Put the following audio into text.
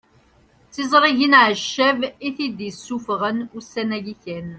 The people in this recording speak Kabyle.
D tiẓrigin Ɛeccab i t-id-isuffɣen ussan-agi kan